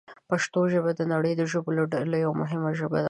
پښتو ژبه د نړۍ د ژبو له ډلې یوه مهمه ژبه ده.